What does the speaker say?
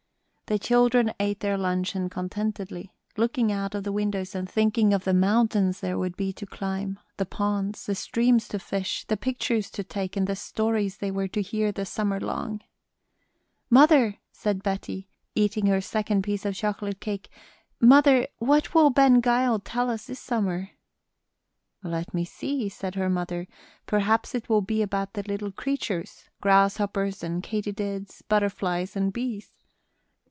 The children ate their luncheon contentedly, looking out of the windows and thinking of the mountains there would be to climb, the ponds, the streams to fish, the pictures to take, and the stories they were to hear the summer long. "Mother," said Betty, eating her second piece of chocolate cake "mother, what will Ben Gile tell us this summer?" "Let me see," said her mother, "perhaps it will be about the little creatures grasshoppers and katydids, butterflies and bees."